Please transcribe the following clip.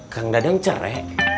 kang dadang cerai